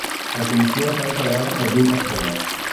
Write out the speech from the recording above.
La Comissió està integrada per vint persones.